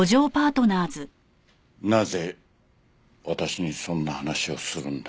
なぜ私にそんな話をするんだ？